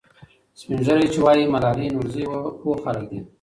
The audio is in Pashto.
سپین ږیري چې وایي ملالۍ نورزۍ وه، پوه خلک دي.